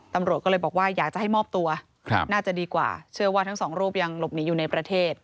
ตำรวจก็เลยบอกว่าอยากจะให้มอบตัวน่าจะดีกว่าเชื่อว่าทั้งสองรูปยังหลบหนีอยู่ในประเทศ